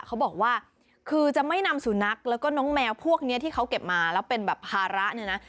เขาบอกว่าคือจะไม่นำสุนัขแล้วก็น้องแมวพวกนี้ที่เขาเก็บมาแล้วเป็นแบบภาระเนี่ยนะ